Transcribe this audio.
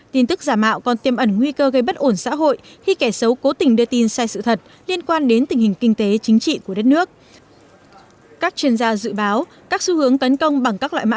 tin tức giả mạo còn tiêm ẩn nguy cơ gây bất ổn xã hội khi kẻ xấu cố tình đưa tin sai sự thật liên quan đến tình hình kinh tế chính trị của đất nước